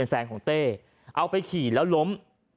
ก็ได้พลังเท่าไหร่ครับ